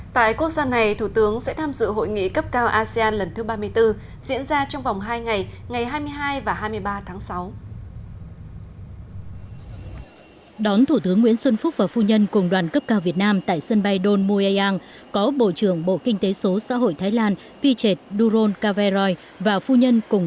tại quốc gia này thủ tướng sẽ tham dự hội nghị cấp cao asean lần thứ ba mươi bốn diễn ra trong vòng hai ngày ngày hai mươi hai và hai mươi ba tháng sáu